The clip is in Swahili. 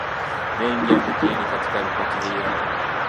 mengi yamejiri katika ripoti hiyo